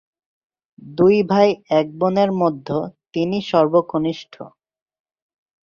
দুই ভাই-এক বোনের মধ্যে তিনি সর্বকনিষ্ঠ।